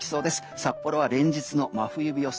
札幌は連日の真冬日予想。